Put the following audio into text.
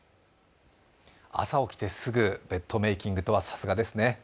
朝起きてすぐベッドメイキングとはさすがですね。